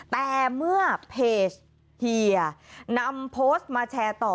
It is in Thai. แต่เมื่อเพจเฮียนำโพสต์มาแชร์ต่อ